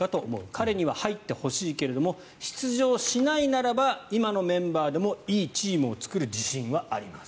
彼には入ってほしいけれど出場しないならば今のメンバーでもいいチームを作る自信はあります。